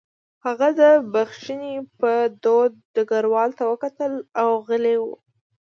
هغه د بښنې په دود ډګروال ته وکتل او غلی و